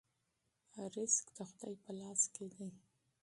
رزق د خدای په لاس کې دی.